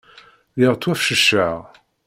Lliɣ ttwafecceceɣ.